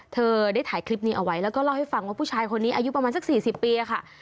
เธอได้ถ่ายคลิปนี้เอาไว้แล้วก็เล่าให้ฟังว่าผู้ชายคนนี้อายุประมาณสัก๔๐ปีค่ะ